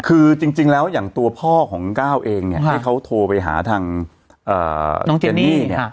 คือจริงแล้วอย่างตัวพ่อของก้าวเองเนี่ยที่เขาโทรไปหาทางเจนี่เนี่ย